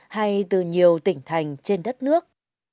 hay từ nhiều tỉnh thành trên đất nước